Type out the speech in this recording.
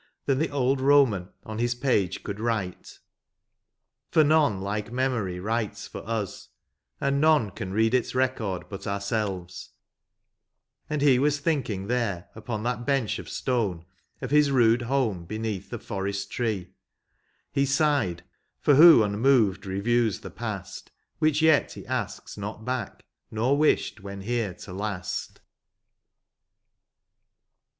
Than the old Boman on his page could write ; For none like memory writes for us, and none Oan read its record hut ourselves, and he Was thinking there, upon that bench of stone, Of his rude home beneath the forest tree. — He sighed ; for who unmoved reviews the past. Which yet he asks not back, nor wished, when here, to last.